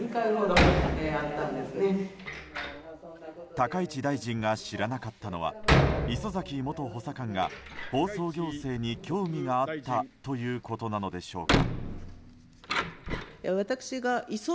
高市大臣が知らなかったのは礒崎元補佐官が放送行政に興味があったということなのでしょうか。